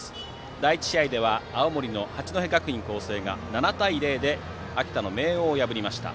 第１試合では青森の八戸学院光星が７対０で秋田の明桜を破りました。